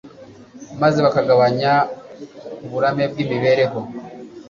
maze bakagabanya uburame bwimibereho